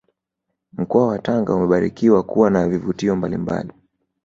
Mkoa wa Tanga umebarikiwa kuwa na vivutio mbalimbali